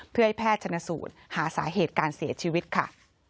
เพื่อให้แพทย์ชนสูตรหาสาเหตุการเสียชีวิตค่ะ